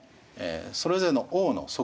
それぞれの王の即位年